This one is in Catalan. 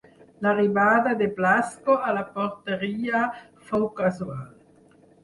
L'arribada de Blasco a la porteria fou casual.